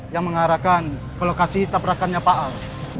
yang mengarahkan lokasi tabrakannya pak al